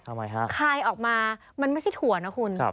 ทำไมฮะคายออกมามันไม่ใช่ถั่วนะคุณ